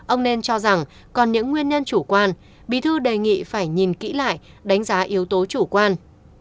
ông nên cho rằng còn những nguyên nhân chủ quan bí thư đề nghị phải nhìn kỹ lại đánh giá yếu tố chủ quan